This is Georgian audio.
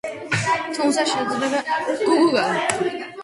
თუმცა, შესაძლებელია ბორა-ბორას კანიონების მონახულებაც.